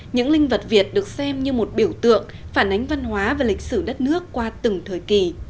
những linh vật việt được xem như một biểu tượng phản ánh văn hóa và lịch sử đất nước qua từng thời kỳ